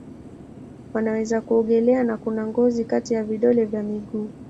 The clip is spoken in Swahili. Wanaweza kuogelea na kuna ngozi kati ya vidole vya miguu yao.